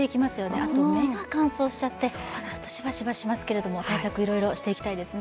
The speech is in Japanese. あと目が乾燥してしまってちょっとしばしばしますけれども、対策、いろいろしていきたいですね。